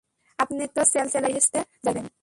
আপনে তো চ্যালচ্যালাইয়া বেহেশতে যাইবেন।